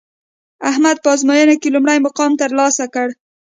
احمد په ازموینه کې لومړی مقام ترلاسه کړ